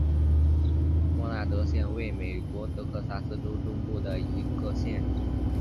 默纳德县位美国德克萨斯州中部的一个县。